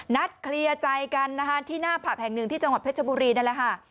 นัดเคลียร์ใจกันนะคะที่หน้าผับแห่งหนึ่งที่จังหวัดเพชรบุรีนั่นแหละค่ะ